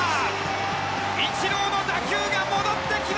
イチローの打球が戻ってきました！